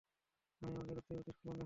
আমি আমাদের রক্তের প্রতি সম্মান দেখাবো।